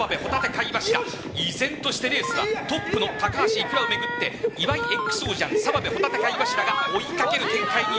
貝柱依然としてレースはトップの高橋いくらを巡って岩井ＸＯ醤、澤部帆立貝柱が追いかける展開に。